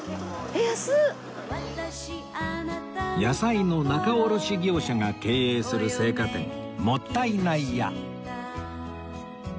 野菜の仲卸業者が経営する青果店もったいない屋